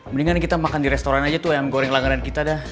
mendingan kita makan di restoran aja tuh ayam goreng langganan kita dah